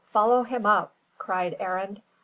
Follow him up," cried Arend.